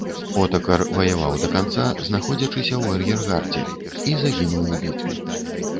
Отакар ваяваў да канца, знаходзячыся ў ар'ергардзе, і загінуў у бітве.